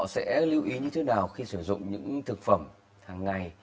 những cái người lớn tuổi họ sẽ lưu ý như thế nào khi sử dụng những thực phẩm hàng ngày